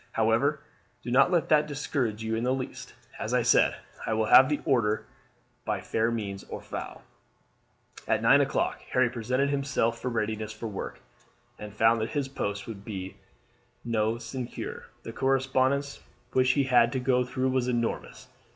However, do not let that discourage you in the least. As I said, I will have the order by fair means or foul." At nine o'clock Harry presented himself in readiness for work, and found that his post would be no sinecure. The correspondence which he had to go through was enormous.